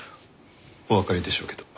おわかりでしょうけど。